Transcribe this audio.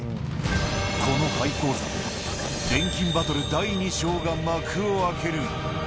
この廃鉱山で、錬金バトル第２章が幕を開ける。